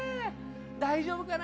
大丈夫かな？